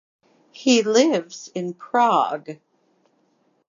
He lives in Prague.